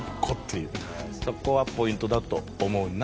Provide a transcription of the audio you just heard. そこはポイントだと思うなあ。